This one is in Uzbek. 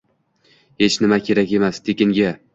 Hech nima kerak emas, tekinga